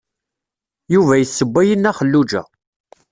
Yuba yessewway i Nna Xelluǧa.